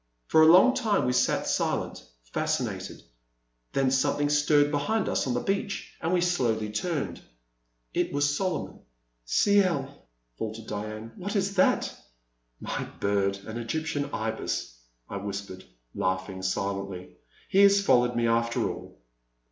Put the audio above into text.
For a long time we sat silent, fascinated ; then something stirred behind us on the beach and we slowly turned. It was Solomon. •* Cid I '' faltered Diane, what is that ?»'My bird — an Egyptian Ibis," I whispered, laughing silently; he has followed me, after all."